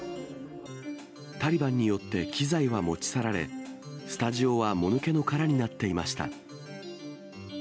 タリバンによって機材は持ち去られ、スタジオはもぬけの殻になっていました。